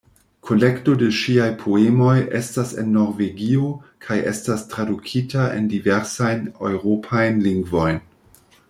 Kolekto de ŝiaj poemoj estas en Norvegio kaj estas tradukita en diversajn eŭropajn lingvojn.